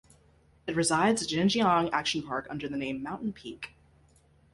It resides at Jinjiang Action Park under the name "Mountain Peak".